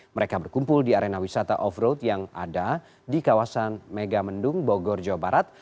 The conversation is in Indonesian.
mereka berkumpul di arena wisata off road yang ada di kawasan megamendung bogor jawa barat